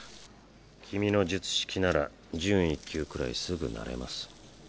君の術式なら準１級くらいすぐなれます